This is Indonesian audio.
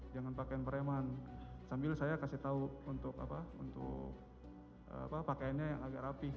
jangan pakaian pereman sambil saya kasih tahu untuk pakaiannya yang agak rapih